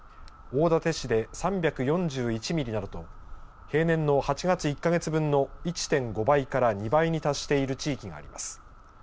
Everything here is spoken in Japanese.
大館市で３４１ミリなどと平年の８月１か月分の１．５倍から２倍に達している地域があります。